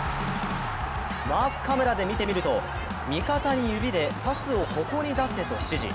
マークカメラで見てみると味方に、指でパスをここに出せと指示。